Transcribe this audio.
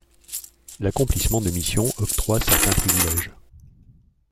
L'accomplissement de missions octroie certains privilèges.